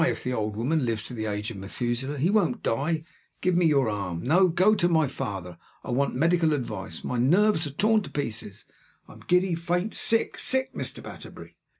If the old woman lives to the age of Methuselah, he won't die. Give me your arm. No! Go to my father. I want medical advice. My nerves are torn to pieces. I'm giddy, faint, sick SICK, Mr. Batterbury!"